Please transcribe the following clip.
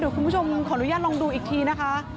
คุณผู้ชมขออนุญาตลองดูอีกทีนะคะ